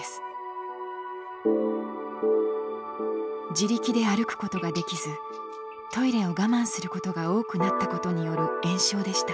自力で歩くことができずトイレを我慢することが多くなったことによる炎症でした。